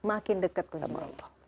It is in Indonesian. makin dekat sama allah